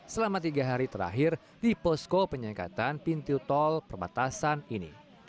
selama tiga hari terakhir di posko penyekatan pintu tol perbatasan ini